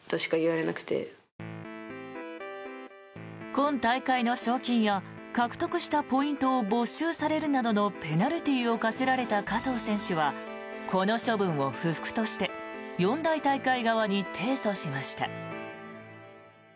今大会の賞金や獲得したポイントを没収されるなどのペナルティーを科せられた加藤選手はこの処分を不服として四大大会側に提訴しました。